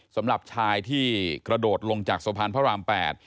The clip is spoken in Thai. สำหรับชายที่กระโดดลงจากสะพานพระราม๘